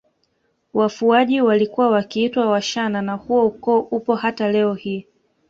Wafuaji walikuwa wakiitwa Washana na huo ukoo upo hata leo hii